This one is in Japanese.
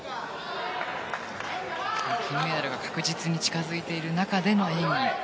金メダルが確実に近づいている中での演技。